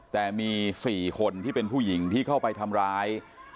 แต่มี๔คนที่เป็นผู้หญิงที่เข้าไปทำร้าย